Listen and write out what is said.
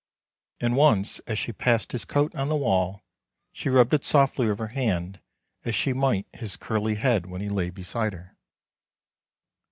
And once as she passed his coat on the wall, she rubbed it softly with her hand, as she might his curly head when he lay beside her.